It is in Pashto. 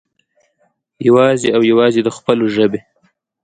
يوازې او يوازې د خپلو ژبې